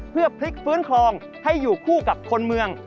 เพื่อพลิกฟื้นคลองให้อยู่คู่กับคนเมือง